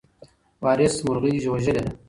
وارث مرغۍ وژلې ده.